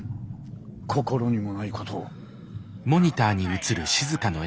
心にもないことを。